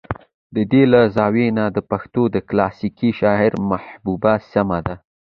د دې له زاويې نه د پښتو د کلاسيکې شاعرۍ محبوبه سمه ده